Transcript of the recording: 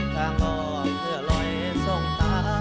ถ้าขอเพื่อลอยทรงตา